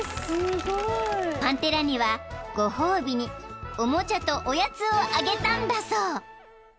［パンテラにはご褒美におもちゃとおやつをあげたんだそう］